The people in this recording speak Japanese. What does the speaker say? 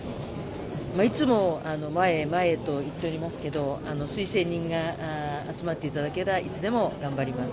いつも前へ前へと言っておりますけど推薦人が集まっていただければいつでも頑張ります。